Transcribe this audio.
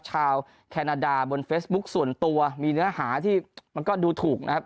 แคนาดาบนเฟซบุ๊คส่วนตัวมีเนื้อหาที่มันก็ดูถูกนะครับ